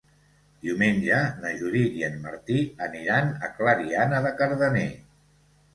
Diumenge na Judit i en Martí aniran a Clariana de Cardener.